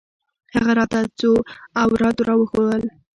هغه راته څو اوراد راوښوول.